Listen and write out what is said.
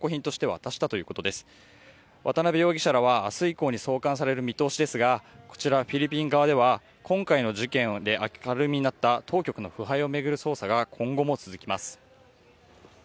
渡辺容疑者らは明日以降に送還される見通しですがこちら、フィリピン側では今回の事件で明るみになった当局の腐敗を巡る捜査が今後も続きます。